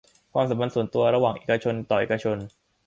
ความสัมพันธ์ส่วนตัวระหว่างเอกชนต่อเอกชน